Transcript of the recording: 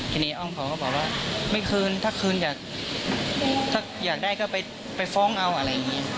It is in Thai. ทีนี้อ้อมเขาก็บอกว่าไม่คืนถ้าคืนอยากถ้าอยากได้ก็ไปฟ้องเอาอะไรอย่างนี้